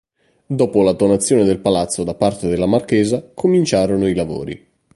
Dopo la donazione del palazzo da parte della marchesa, cominciarono i lavori.